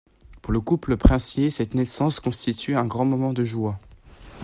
Pour le couple princier, cette naissance constitue un grand moment de joie.